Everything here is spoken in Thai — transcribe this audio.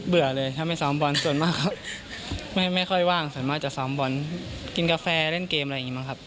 เลยถ้าไม่ซ้อมบอลส่วนมากครับไม่ค่อยว่างส่วนมากจะซ้อมบอลกินกาแฟเล่นเกมอะไรอย่างนี้บ้างครับ